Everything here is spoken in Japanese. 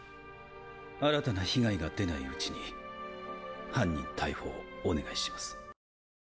新たな被害が出ないうちに犯人逮捕をお願いします。